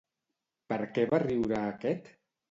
Per què va riure aquest?